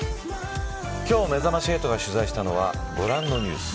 今日めざまし８が取材したのはご覧のニュース。